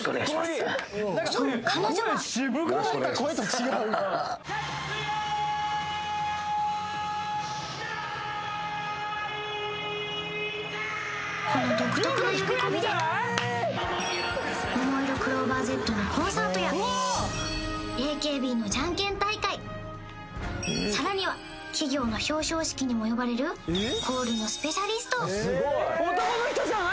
そう彼女はこの独特な呼び込みでももいろクローバーＺのコンサートやＡＫＢのじゃんけん大会さらには企業の表彰式にも呼ばれるコールのスペシャリスト